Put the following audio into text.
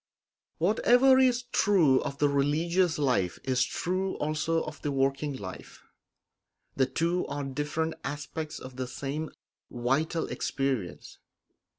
Whatever is true of the religious life is true also of the working life; the two are different aspects of the same vital experience.